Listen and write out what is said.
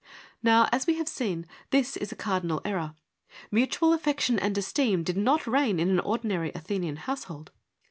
Now, as we have seen, this is a cardinal error. Mutual affection and esteem did not reign in an ordin ary Athenian household.